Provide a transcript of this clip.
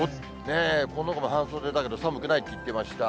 この子も半袖だけど、寒くないって言ってました。